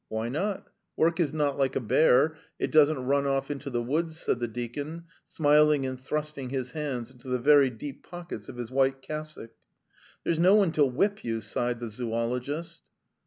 "Why not? Work is not like a bear; it doesn't run off into the woods," said the deacon, smiling and thrusting his hands into the very deep pockets of his white cassock. "There's no one to whip you!" sighed the zoologist.